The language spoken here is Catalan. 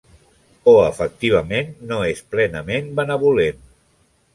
O efectivament, no és plenament benevolent.